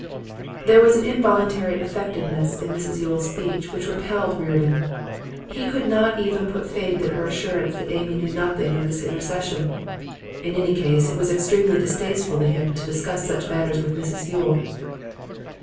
There was an involuntary affectedness in Mrs Yule's speech which repelled Reardon. He could not even put faith in her assurance that Amy knew nothing of this intercession. In any case it was extremely distasteful to him to discuss such matters with Mrs Yule.